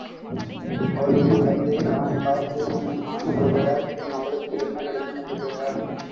அவளுடைய தந்தை அவனைப் பார்த்து, உன்னை மணந்துகொள்வதால் என்மகளுக்கு என்ன கிடைக்கும்? என்று கேட்டான்.